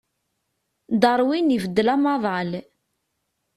Darwin ibeddel amaḍal.